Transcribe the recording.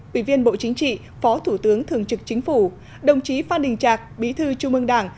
ủy viên bộ chính trị phó thủ tướng thường trực chính phủ đồng chí phan đình trạc bí thư trung ương đảng